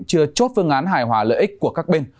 chưa chốt phương án hài hòa lợi ích của các bên